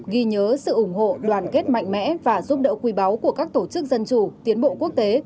ghi nhớ sự ủng hộ đoàn kết mạnh mẽ và giúp đỡ quý báu của các tổ chức dân chủ tiến bộ quốc tế